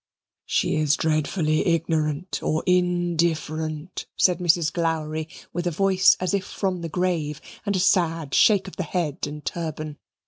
"She is dreadfully ignorant or indifferent," said Mrs. Glowry with a voice as if from the grave, and a sad shake of the head and turban.